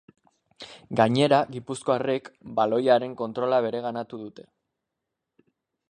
Gainera, gipuzkoarrek baloiaren kontrola bereganatu dute.